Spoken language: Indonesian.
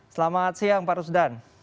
selamat siang pak rusdan